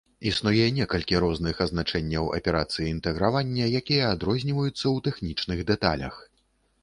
Існуе некалькі розных азначэнняў аперацыі інтэгравання, якія адрозніваюцца ў тэхнічных дэталях.